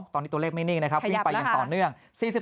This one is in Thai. ตอนนี้ตัวเลขไม่นิ่งนะครับวิ่งไปอย่างต่อเนื่อง